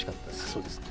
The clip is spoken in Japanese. そうですか。